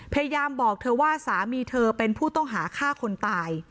พยายามบอกเธอว่าสามีเธอเป็นผู้ต้องหาฆ่าคนตาย